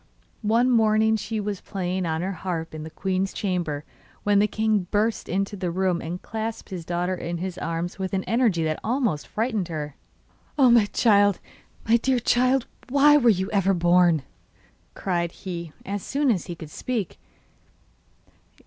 One morning she was playing on her harp in the queen's chamber when the king burst into the room and clasped his daughter in his arms with an energy that almost frightened her. 'Oh, my child! my dear child! why were you ever born?' cried he, as soon as he could speak.